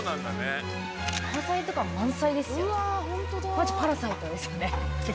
マジ『パラサイト』ですよね。